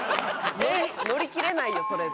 乗り切れないよそれで。